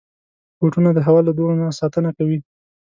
بوټونه د هوا له دوړو نه ساتنه کوي.